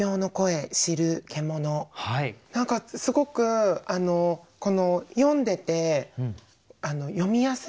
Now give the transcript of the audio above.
何かすごく読んでて読みやすい。